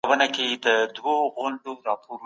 خیرات ورکول د مسلمانانو دنده ده.